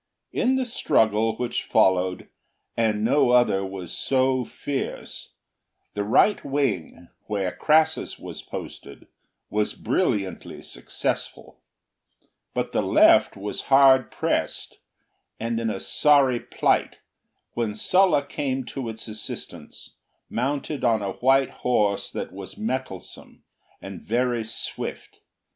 In the struggle which followed, and no other was so fierce, the right wing, where Crassus was posted, was brilliantly successful ; but the left was hard pressed and in a sorry plight, when Sulla came to its assistance, mounted on a white horse that was mettlesome and very swift.